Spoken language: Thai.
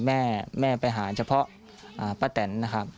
แม่แม่ไปหาเฉพาะป้าแตนนะครับ